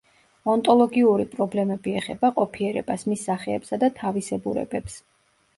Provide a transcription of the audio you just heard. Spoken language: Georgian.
ონტოლოგიური პრობლემები ეხება ყოფიერებას, მის სახეებსა და თავისებურებებს.